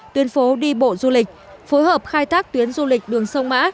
tuyên phố đi bộ du lịch phối hợp khai thác tuyến du lịch đường sông mã